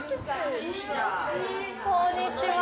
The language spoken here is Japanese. こんにちは！